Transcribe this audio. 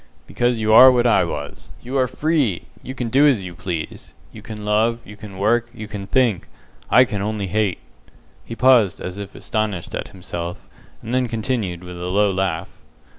"Because you are what I was. You are FREE! You can do as you please. You can love, you can work, you can think. I can only hate!" He paused as if astonished at himself, and then continued, with a low laugh.